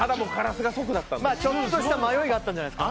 ちょっとした迷いがあったんじゃないですか？